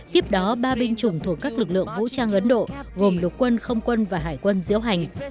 tiếp đó ba binh chủng thuộc các lực lượng vũ trang ấn độ gồm lục quân không quân và hải quân diễu hành